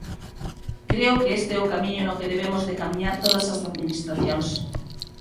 Creo que este é o camiño no que debemos de camiñar todas as administracións.